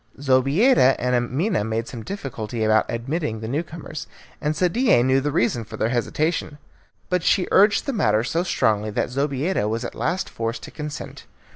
Zobeida and Amina made some difficulty about admitting the new comers, and Sadie knew the reason of their hesitation. But she urged the matter so strongly that Zobeida was at last forced to consent.